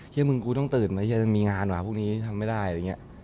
เฮียมึงกูต้องตื่นมีงานหรอพวกนี้ทำไม่ได้อะไรอย่างเงี้ย